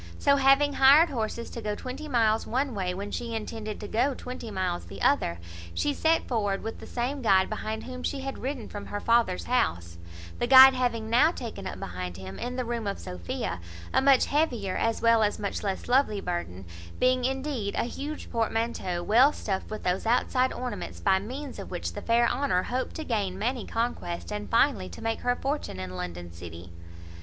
So, having hired horses to go twenty miles one way, when she intended to go twenty miles the other, she set forward with the same guide behind whom she had ridden from her father's house; the guide having now taken up behind him, in the room of Sophia, a much heavier, as well as much less lovely burden; being, indeed, a huge portmanteau, well stuffed with those outside ornaments, by means of which the fair Honour hoped to gain many conquests, and, finally, to make her fortune in London city.